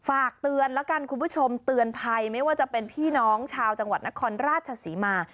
ฝากเตือนแล้วกันคุณผู้ชมเตือนภัยไม่ว่าจะเป็นพี่น้องชาวจังหวัดนครราชศรีมา